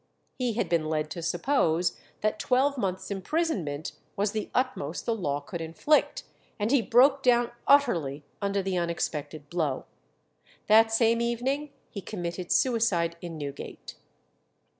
He had been led to suppose that twelve months' imprisonment was the utmost the law could inflict, and he broke down utterly under the unexpected blow. That same evening he committed suicide in Newgate.